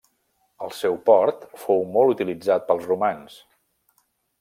El seu port fou molt utilitzat pels romans.